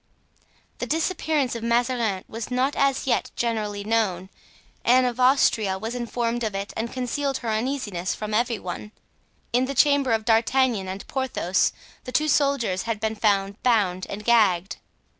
The disappearance of Mazarin was not as yet generally known. Anne of Austria was informed of it and concealed her uneasiness from every one. In the chamber of D'Artagnan and Porthos the two soldiers had been found bound and gagged.